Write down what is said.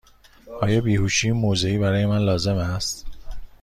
آیا بیهوشی موضعی برای من لازم است؟